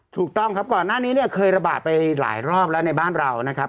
ถูกต้องครับก่อนหน้านี้เนี่ยเคยระบาดไปหลายรอบแล้วในบ้านเรานะครับ